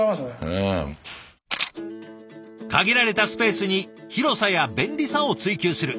限られたスペースに広さや便利さを追求する。